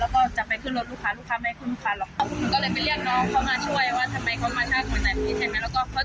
แล้วก็จับไปขึ้นรถลูกค้าลูกค้าไม่ขึ้นลูกค้าหรอก